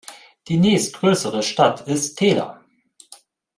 Die nächstgrößere Stadt ist Tela.